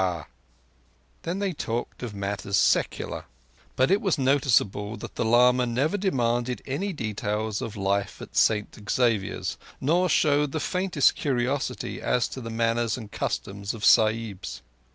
_" Then they talked of matters secular; but it was noticeable that the lama never demanded any details of life at St Xavier's, nor showed the faintest curiosity as to the manners and customs of Sahibs.